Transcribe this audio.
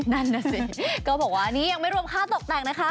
นั่นน่ะสิก็บอกว่านี่ยังไม่รวมค่าตกแต่งนะคะ